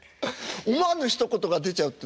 思わぬひと言が出ちゃうって時も。